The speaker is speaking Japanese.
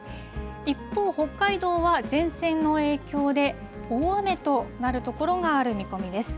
一方、北海道は前線の影響で大雨となる所がある見込みです。